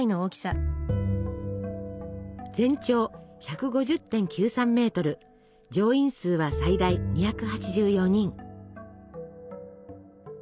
全長１５０．９３ｍ乗員数は最大２８４人。